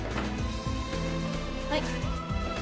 はい。